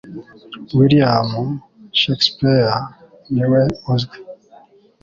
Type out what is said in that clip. William Shakespeare niwe uzwi